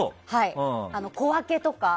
小分けとか。